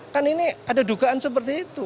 kan ini ada dugaan seperti itu